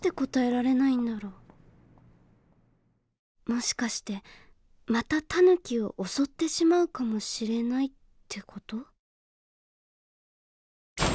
もしかしてまたタヌキを襲ってしまうかもしれないって事？